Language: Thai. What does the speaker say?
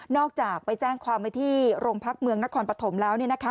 อกจากไปแจ้งความไว้ที่โรงพักเมืองนครปฐมแล้ว